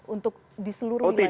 untuk di seluruh wilayah